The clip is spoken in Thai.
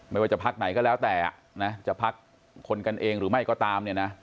ไม่ว่าจะพักไหนก็แล้วแต่นะจะพักคนกันเองหรือไม่ก็ตามเนี่ยนะ